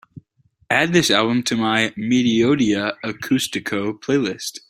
add this album to my Mediodía Acústico playlist